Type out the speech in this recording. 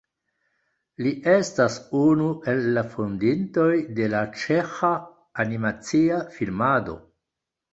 Li estas unu el la fondintoj de la ĉeĥa animacia filmado.